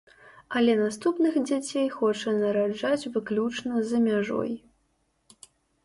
Але наступных дзяцей хоча нараджаць выключна за мяжой.